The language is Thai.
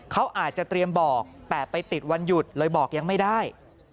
เขาอาจจะเตรียมบอกแต่ไปติดวันหยุดเลยบอกยังไม่ได้